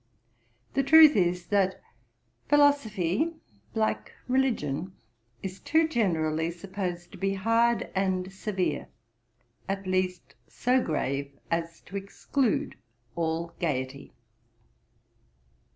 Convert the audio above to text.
The truth is, that philosophy, like religion, is too generally supposed to be hard and severe, at least so grave as to exclude all gaiety.